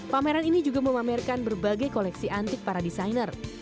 pameran ini juga memamerkan berbagai koleksi antik para desainer